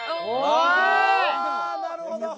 あぁなるほど。